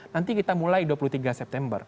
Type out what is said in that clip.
nanti kita mulai dua puluh tiga september